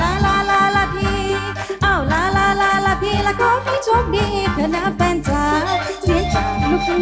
เอาละรอบหน้าเราจะให้คนสาธิตในการร้องหมอลำให้พี่ฟัง